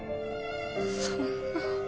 そんな。